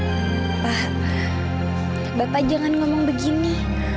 hah bapak jangan ngomong begini